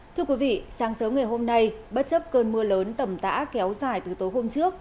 thưa quý vị sáng sớm ngày hôm nay bất chấp cơn mưa lớn tầm tã kéo dài từ tối hôm trước